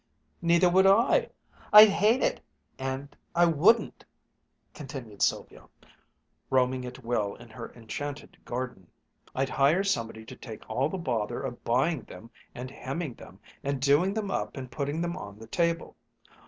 "Neither would I. I'd hate it! And I wouldn't," continued Sylvia, roaming at will in her enchanted garden; "I'd hire somebody to take all the bother of buying them and hemming them and doing them up and putting them on the table.